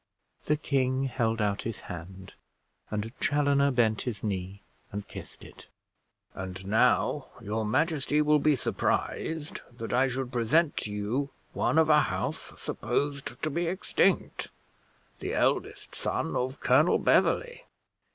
The king held out his hand, and Chaloner bent his knee and kissed it. "And now, your majesty will be surprised that I should present to you one of a house supposed to be extinct the eldest son of Colonel Beverley."